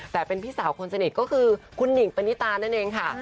แต่เป็นพี่สาวคนสนิทก็คือคุณหนิงปณิตานั่นเองค่ะ